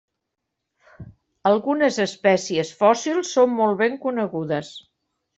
Algunes espècies fòssils són molt ben conegudes.